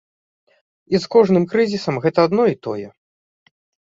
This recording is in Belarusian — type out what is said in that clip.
І з кожным крызісам гэта адно і тое.